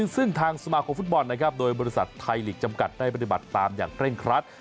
ซึ่งทางสมาคมฟุตบอลนะครับโดยบริษัทไทยลีกจำกัดได้ปฏิบัติตามอย่างเคร่งครัด